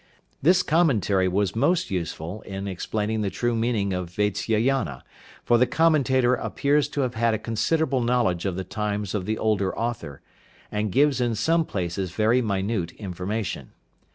This commentary was most useful in explaining the true meaning of Vatsyayana, for the commentator appears to have had a considerable knowledge of the times of the older author, and gives in some places very minute information.